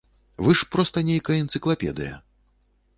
Вы ж проста нейкая энцыклапедыя.